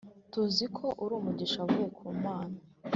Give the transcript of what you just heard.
” “tuzi ko uri umwigisha wavuye ku Mana